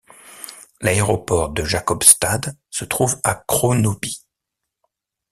L'aéroport de Jakobstad se trouve à Kronoby.